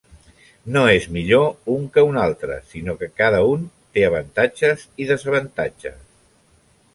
No és millor un que un altre, sinó que cada un té avantatges i desavantatges.